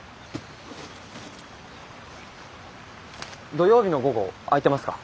土曜日の午後空いてますか？